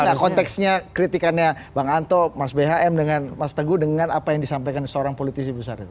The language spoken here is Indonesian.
bagaimana konteksnya kritikannya bang anto mas bhm dengan mas teguh dengan apa yang disampaikan seorang politisi besar itu